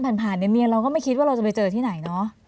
ผ่านเนี่ยเมียเราก็ไม่คิดว่าเราจะไปเจอที่ไหนเนาะ